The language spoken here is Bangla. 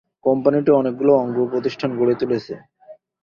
কোম্পানিটি অনেকগুলো অঙ্গ-প্রতিষ্ঠান গড়ে তুলেছে।